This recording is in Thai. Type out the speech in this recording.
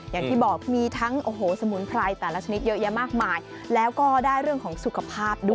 อย่างที่บอกมีทั้งโอ้โหสมุนไพรแต่ละชนิดเยอะแยะมากมายแล้วก็ได้เรื่องของสุขภาพด้วย